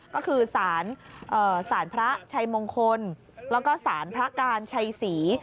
ก็คือสารพระชัยมงคลแล้วก็สารพระการชัยศรี